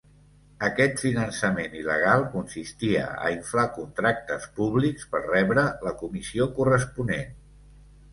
Aquest finançament il·legal consistia a inflar contractes públics per rebre la comissió corresponent.